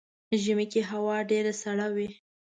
ژمی کې هوا ډیره سړه وي .